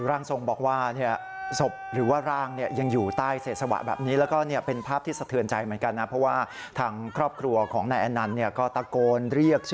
ร่างทรงบอกว่าศพหรือว่าร่างยังอยู่ใต้เศษฐวะแบบนี้